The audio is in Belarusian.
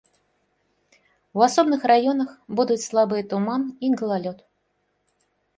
У асобных раёнах будуць слабыя туман і галалёд.